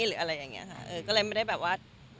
ก็เลยไม่ได้แบบว่ารู้สึกอะไรกับคำว่าแบบเปรียบเทียบ